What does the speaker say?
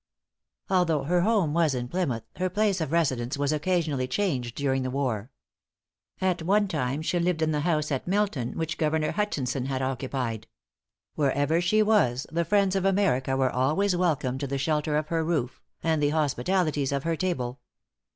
Although her home was in Plymouth, her place of residence was occasionally changed during the war. At one time she lived in the house at Milton, which Governor Hutchinson had occupied. Wherever she was, the friends of America were always welcomed to the shelter of her roof, and the hospitalities of her table.